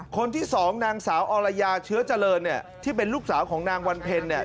คนที่สองนางสาวอลยาเชื้อเจริญที่เป็นลูกสาวของนางวันเพลิน